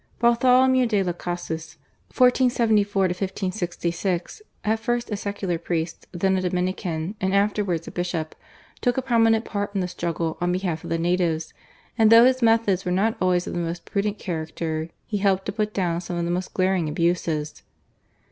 Bartholomew de Las Casas (1474 1566) at first a secular priest, then a Dominican, and afterwards a bishop, took a prominent part in the struggle on behalf of the natives, and though his methods were not always of the most prudent character he helped to put down some of the most glaring abuses.